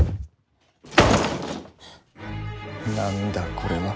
何だこれは。